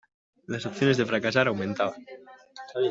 Las opciones de fracasar aumentaban.